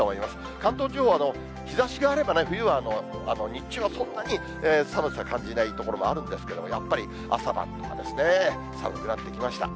関東地方は、日ざしがあれば冬は日中はそんなに寒さ感じない所もあるんですけど、やっぱり、朝晩とか寒くなってきました。